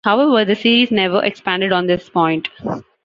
However, the series never expanded on this point.